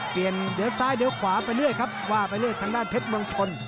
เปลี่ยนเดี๋ยวซ้ายเดี๋ยวขวาไปเรื่อยครับว่าไปเรื่อยทางด้านเพชรเมืองชน